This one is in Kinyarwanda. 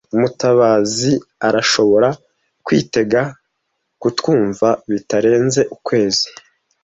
Mutabazi arashobora kwitega kutwumva bitarenze ukwezi.